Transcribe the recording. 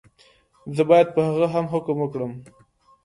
زه باید په هغه هم حکم وکړم.